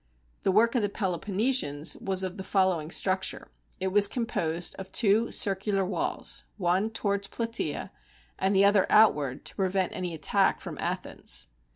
The work of the Peloponnesians was of the following structure: it was composed of two circular walls; one towards Plateea, and the other outward, to prevent any attack from Athens.